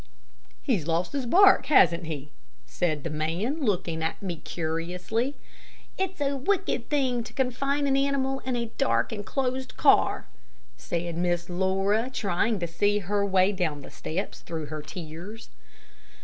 "He's lost his bark, hasn't he?" said the man, looking at me curiously. "It is a wicked thing to confine an animal in a dark and closed car," said Miss Laura, trying to see her way down the steps through her tears.